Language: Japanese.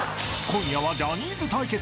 ［今夜はジャニーズ対決］